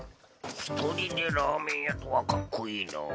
一人でラーメン屋とはかっこいいな。